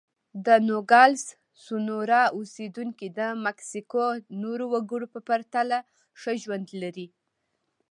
د نوګالس سونورا اوسېدونکي د مکسیکو نورو وګړو په پرتله ښه ژوند لري.